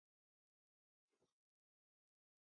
てえがいた、稗史的な娘の絵姿のような感じだった。